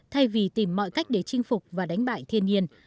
thay vì tìm mọi cách để chinh phục và đánh bại thiên nhiên